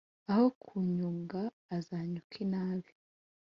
aho kunyunga aza anyuka inabi